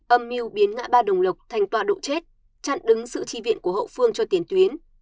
âm mưu biến ngã ba đồng lộc thành toạ độ chết chặn đứng sự chi viện của hậu phương cho tiền tuyến